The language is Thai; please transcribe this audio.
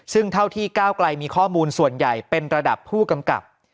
ซึ่งเท่าที่ก้าวไกลมีข้อมูลส่วนใหญ่เป็นระดับผู้กำกับ